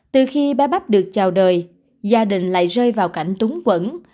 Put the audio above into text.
từ khi bé bắp được chào đời gia đình lại rơi vào cảnh túng quẩn